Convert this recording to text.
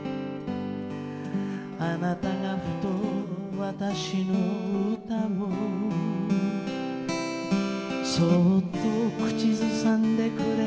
「あなたがふと私の歌をそっと口ずさんでくれたときに」